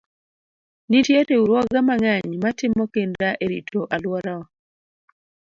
Nitie riwruoge mang'eny matimo kinda e rito alworawa.